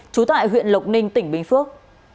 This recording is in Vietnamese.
trú tại huyện lộc ninh tỉnh bình phước